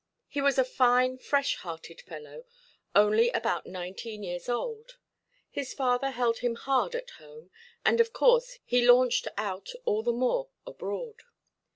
He was a fine, fresh–hearted fellow, only about nineteen years old; his father held him hard at home, and of course he launched out all the more abroad.